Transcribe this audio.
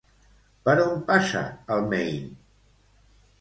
Per on passa el Maine?